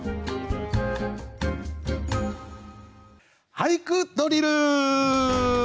「俳句ドリル」！